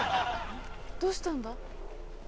どうしたんだ？